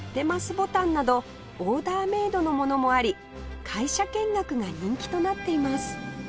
ボタンなどオーダーメードのものもあり会社見学が人気となっています